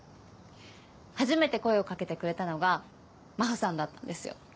初めて声を掛けてくれたのが真帆さんだったんですよ。